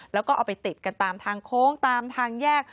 แล้วก็เอาไปติดกันตามทางโค้งตามทางแยก